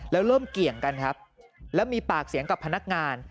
แล้วเริ่มเกี่ยงกันครับแล้วมีปากเสียงกับพนักงาน